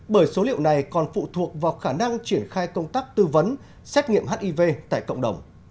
bởi số liệu này còn phụ thuộc vào khả năng triển khai công tác tư vấn xét nghiệm hiv tại cộng đồng